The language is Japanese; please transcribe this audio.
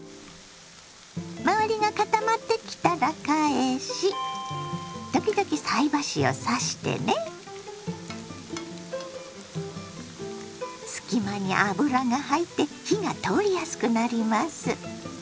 周りが固まってきたら返し時々隙間に油が入って火が通りやすくなります。